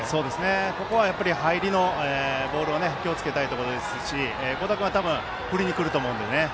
ここは入りのボールを気をつけたいところですし合田君は振りに来ると思うのでね。